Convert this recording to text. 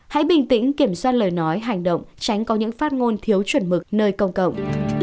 hãy bình tĩnh kiểm soát lời nói hành động tránh có những phát ngôn thiếu chuẩn mực nơi công cộng